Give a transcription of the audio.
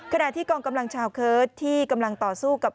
กำลังชาวเคิร์ดที่กำลังต่อสู้กับ